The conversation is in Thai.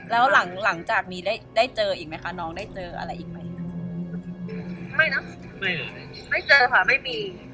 แล้วหลังจากนี้ได้เจออีกไหมคะน้องได้เจออะไรอีกไหม